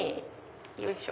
よいしょ。